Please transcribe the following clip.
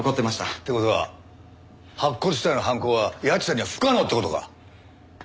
って事は白骨死体の犯行は谷内田には不可能って事か。